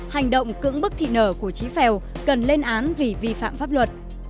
hành động cưỡng bức thị nở của trí phèo cần lên án vì vi phạm pháp luật